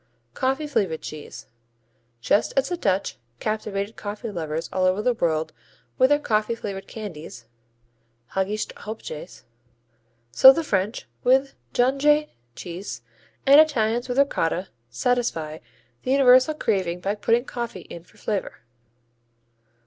Coffee flavored cheese Just as the Dutch captivated coffee lovers all over the world with their coffee flavored candies, Haagische Hopjes, so the French with Jonchée cheese and Italians with Ricotta satisfy the universal craving by putting coffee in for flavor.